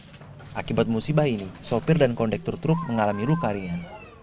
setelah kejadian yang menyebabkan kejadian ini sopir dan kondektor truk mengalami luka harian